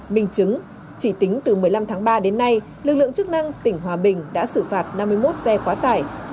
mình chứng chỉ tính từ một mươi năm tháng ba đến nay lực lượng chức năng tỉnh hòa bình đã xử phạt năm mươi một xe quá tải